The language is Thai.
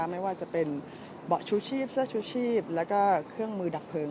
ไม่ว่าจะเป็นเบาะชูชีพเสื้อชูชีพแล้วก็เครื่องมือดับเพลิง